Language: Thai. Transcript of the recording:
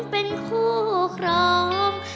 เป็นคู่ครอง